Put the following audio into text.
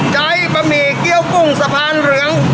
ใจบะหมี่เกี้ยวกุ้งสะพานเหลือง